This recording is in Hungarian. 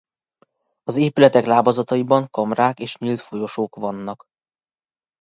Az épületek lábazataiban kamrák és nyílt folyosók vannak.